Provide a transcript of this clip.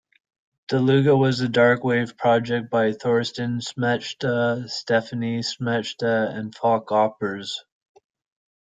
Deluga was a darkwave project by Thorsten Schmechta, Stefanie Schmechta, and Falk Aupers.